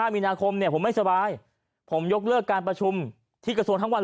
มีนาคมเนี่ยผมไม่สบายผมยกเลิกการประชุมที่กระทรวงทั้งวัน